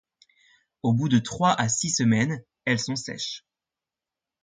Au bout de trois à six semaines, elles sont sèches.